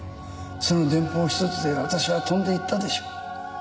その電報ひとつで私は飛んで行ったでしょう。